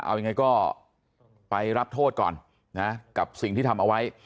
เอายังไงก็ไปรับโทษก่อนนะกับสิ่งที่ทำเอาไว้